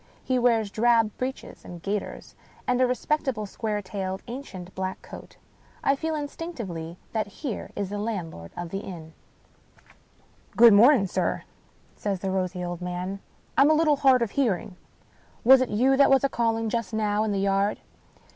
He wears drab breeches and gaiters, and a respectable square tailed an cient black coat. I feel instinctively that here is the land lord of the inn. 219 English Mystery Stories " Good morning, sir," says the rosy old man. " Tm a little hard of hearing. Was it you that was a calling just now in the yard?"